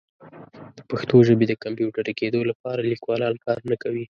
د پښتو ژبې د کمپیوټري کیدو لپاره لیکوالان کار نه کوي.